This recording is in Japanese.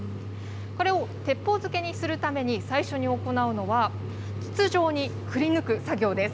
これを鉄砲漬けにするために最初に行うのは、筒状にくりぬく作業です。